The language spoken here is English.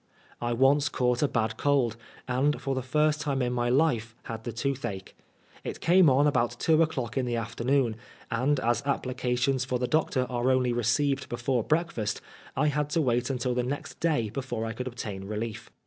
I once caught a bad cold, and for the first time in my life had the toothache. It came on about two o'clock in the afternoon, and as applications for the doctor are only received before breakfast, I had to wait until the next day before I could obtain relief.